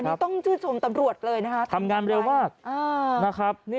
ครับต้องชื่อชมตำรวจเลยนะฮะทำงานเร็ววาดอ่านะครับนี่